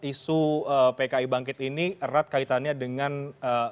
isu pki bangkit ini erat kaitannya dengan kepentingan negara